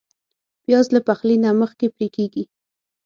پیاز له پخلي نه مخکې پرې کېږي